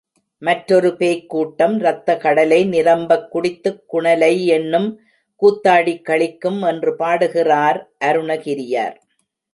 மற்றொரு பேய்க் கூட்டம் ரத்தக் கடலை நிரம்பக் குடித்துக் குணலையென்னும் கூத்தாடிக் களிக்கும் என்று பாடுகிறார் அருணகிரியார்.